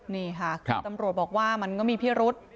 นี่ค่ะตำรวจบอกว่ามันก็มีพิรุษ